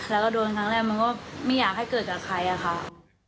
แล้วก็โดนครั้งแรกมันก็ไม่อยากให้เกิดกับใครอะค่ะ